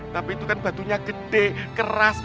tapi itu kan batunya gede keras